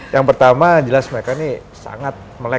yang pertama jelas mereka ini sangat melekat